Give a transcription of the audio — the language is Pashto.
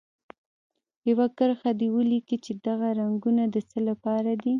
یوه کرښه دې ولیکي چې دغه رنګونه د څه لپاره دي.